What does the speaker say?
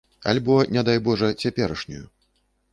Альбо, не дай божа, цяперашнюю.